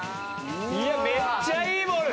いやめっちゃいいボール！